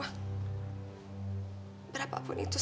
aku percaya bahas podcast p seribu sembilan ratus tujuh puluh tujuh